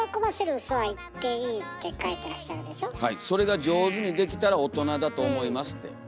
「それが上手にできたら大人だと思います」って。